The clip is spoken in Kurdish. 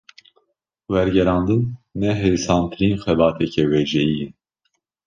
Wergerandin, ne hêsantirîn xebateke wêjeyî ye